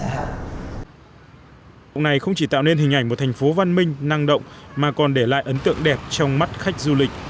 hôm nay không chỉ tạo nên hình ảnh một thành phố văn minh năng động mà còn để lại ấn tượng đẹp trong mắt khách du lịch